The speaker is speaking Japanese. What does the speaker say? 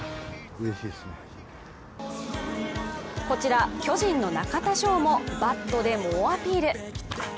こちら、巨人の中田翔もバットで猛アピール。